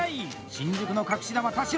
新宿の隠し球・田代